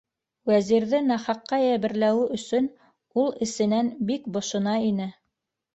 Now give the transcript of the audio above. Вәзирҙе нахаҡҡа йәберләүе өсөн ул эсенән бик бошона ине.